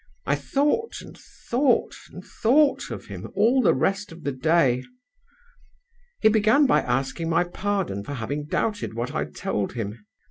I thought, and thought, and thought of him, all the rest of the day. "He began by asking my pardon for having doubted what I told him.